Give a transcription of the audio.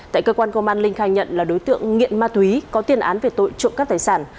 tại cơ quan công an linh khai nhận là đối tượng nghiện ma túy có tiền án về tội trộm cắp tài sản